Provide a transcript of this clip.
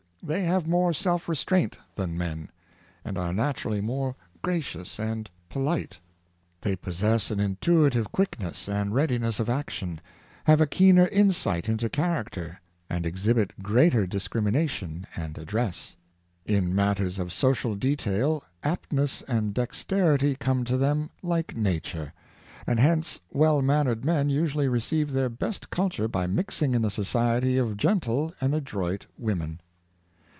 They have more self restraint than men, and are naturally more gracious and polite. They possess an intuitive quickness and readiness of action, have a keener insight into character, and exhibit greater dis crimination and address. In matters of social detail aptness and dexterity come to them like nature; and hence well mannered men usually receive their best culture by mixing in the society of gentle and adroit women.